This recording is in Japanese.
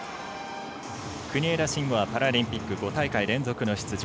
国枝慎吾はパラリンピック５大会連続の出場。